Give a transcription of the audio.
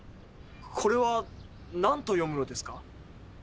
これはなんと読むのですか？